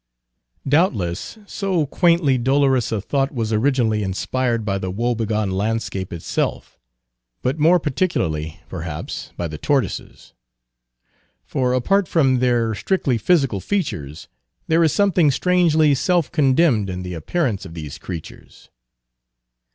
Doubtless, so quaintly dolorous a thought was originally inspired by the woe begone landscape itself; but more particularly, perhaps, by the tortoises. For, apart from their strictly physical features, there is something strangely self condemned in the appearance of these creatures.